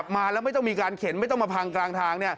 มาแล้วไม่ต้องมีการเข็นไม่ต้องมาพังกลางทาง